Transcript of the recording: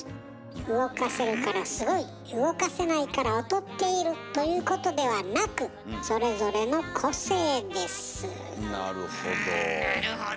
動かせるからすごい動かせないから劣っているということではなくなるほど。